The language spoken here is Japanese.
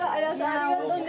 ありがとうね。